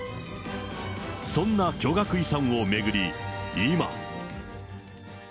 そんな巨額遺産を巡り、今。